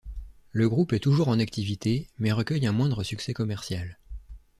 Le groupe est toujours en activité mais recueille un moindre succès commercial.